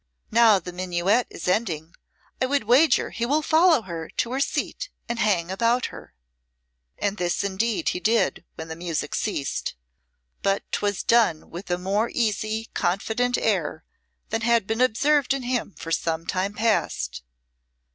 Now the minuet is ending I would wager he will follow her to her seat and hang about her." And this indeed he did when the music ceased, but 'twas done with a more easy, confident air than had been observed in him for some time past.